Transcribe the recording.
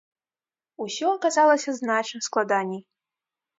Усё аказалася значна складаней.